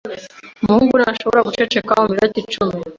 Umuhungu ntashobora guceceka muminota icumi.